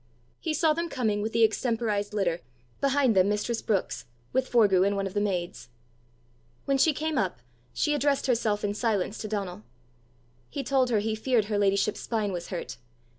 He saw them coming with the extemporized litter, behind them mistress Brookes, with Forgue and one of the maids. When she came up, she addressed herself in silence to Donal. He told her he feared her ladyship's spine was hurt.